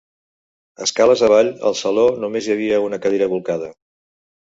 Escales avall, al saló només hi havia una cadira bolcada.